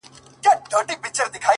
زه له غمه سينه چاک درته ولاړ يم;